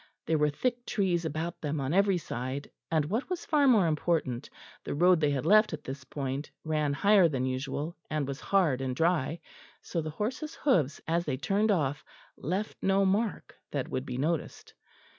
There were thick trees about them on every side, and, what was far more important, the road they had left at this point ran higher than usual, and was hard and dry; so the horses' hoofs as they turned off left no mark that would be noticed.